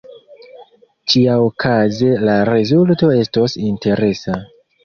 Ĉiaokaze la rezulto estos interesa.